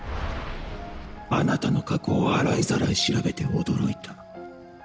あなたの過去を洗いざらい調べて驚いた。